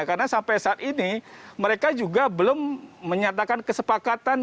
karena sampai saat ini mereka juga belum menyatakan kesepakatan